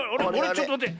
ちょっとまって。